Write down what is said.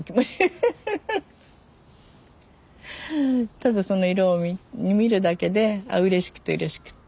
ただその色を見るだけでうれしくてうれしくって。